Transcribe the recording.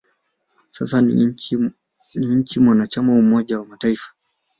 Sasa ni nchi mwanachama wa Umoja wa Mataifa.